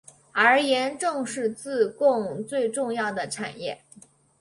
而盐正是自贡最重要的产业。